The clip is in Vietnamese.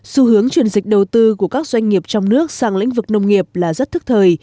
xu hướng chuyển dịch đầu tư của các doanh nghiệp trong nước sang lĩnh vực nông nghiệp là rất thức thời